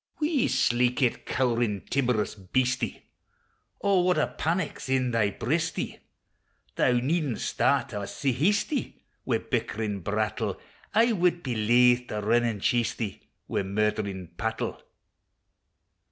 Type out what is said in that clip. Wee, sleekit, cowerin', timorous beastie, O, what a panic 's in thy breastie! Thou needna start awa sae hasty, Wi' bickering brattle! I wad be laith to rin an' chase thee, Wi' murdering pattle!